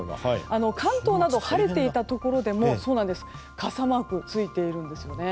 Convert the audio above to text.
関東など晴れていたところでも傘マークがついているんですね。